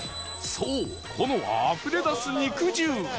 そうこのあふれ出す肉汁